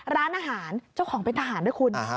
ร้านอาหารเจ้าของเป็นทหารด้วยคุณ